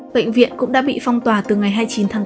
bệnh viện cũng đã bị phong tỏa từ ngày hai mươi chín tháng bốn